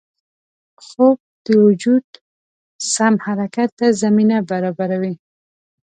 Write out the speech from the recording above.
خوب د وجود سم حرکت ته زمینه برابروي